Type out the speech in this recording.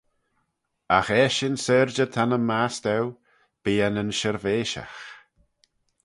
Agh eshyn syrjey ta nyn mast' eu, bee eh nyn shirveishagh.